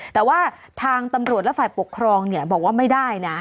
แต่ว่าทางตำรวจและฝ่ายปกครองเนี่ยบอกว่าไม่ได้นะ